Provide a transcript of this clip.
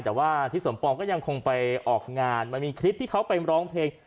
แต่ว่าทิศสมปองก็ยังคงไปออกงานมันมีคลิปที่เขาไปร้องเพลง